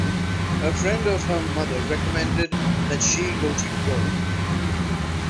A friend of her mother recommended that she go to Europe.